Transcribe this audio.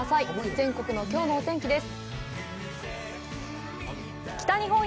全国のきょうのお天気です。